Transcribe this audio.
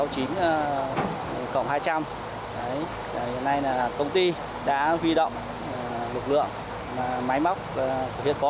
giờ này là công ty đã vi động lực lượng máy móc viết có